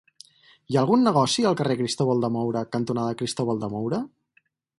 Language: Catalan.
Hi ha algun negoci al carrer Cristóbal de Moura cantonada Cristóbal de Moura?